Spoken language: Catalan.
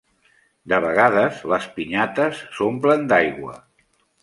De vegades les pinyates s'omplen d'aigua.